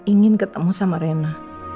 ingin ketemu sama rena